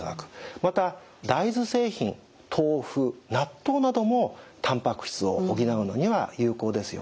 また大豆製品豆腐納豆などもたんぱく質を補うのには有効ですよね。